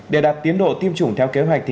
để đạt tiến độ tiêm chủng theo kế hoạch